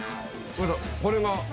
これが。